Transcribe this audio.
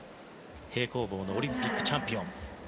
平行棒のオリンピックチャンピオン。